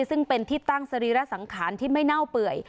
ซึ่งเป็นที่ตั้งสรีระสังขารที่ไม่เน่าเปื่อย